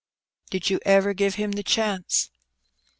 Did you ever give him the chance